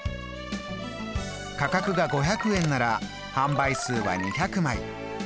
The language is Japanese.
価格が５００円なら販売数は２００枚。